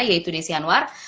yaitu desi anwar